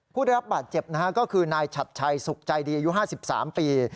ผู้ได้รับบาดเจ็บนะฮะก็คือนายฉัดชัยสุขใจดีอายุ๕๓ปี